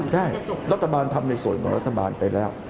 ใช่รัฐบาลทำในส่วนของรัฐบาลไปแล้ว